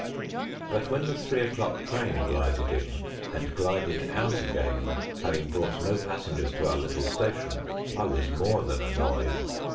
But when the three o'clock train glided in, and glided out again having brought no passengers to our little station, I was more than annoyed.